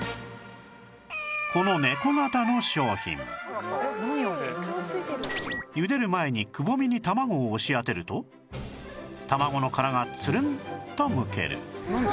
このゆでる前にくぼみに卵を押し当てると卵の殻がツルンとむける